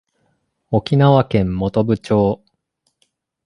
沖縄県本部町